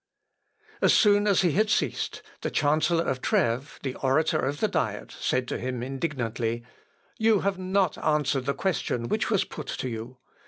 ] As soon as he had ceased, the Chancellor of Trêves, the orator of the Diet, said to him, indignantly, "You have not answered the question which was put to you.